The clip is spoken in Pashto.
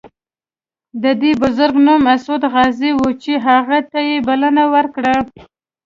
د دې بزرګ نوم مسعود غازي و چې هغه ته یې بلنه ورکړه.